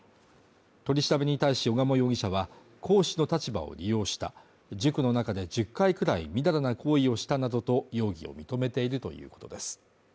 取り調べに対し小鴨容疑者は講師の立場を利用した塾の中で１０回くらいみだらな行為をしたなどと容疑を認めているということです